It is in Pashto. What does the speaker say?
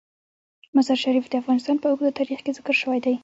مزارشریف د افغانستان په اوږده تاریخ کې ذکر شوی دی.